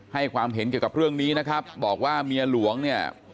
ความเห็นเกี่ยวกับเรื่องนี้นะครับบอกว่าเมียหลวงเนี่ย